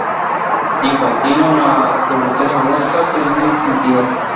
Dijo: "Tiene una robustez robótica que es muy distintiva.